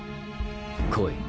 来い。